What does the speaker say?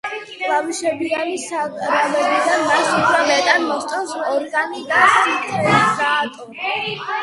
კლავიშებიანი საკრავებიდან მას უფრო მეტად მოსწონს ორგანი და სინთეზატორი.